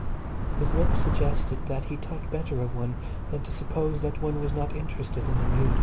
His look suggested that he thought better of one than to suppose that one was not interested in the nude.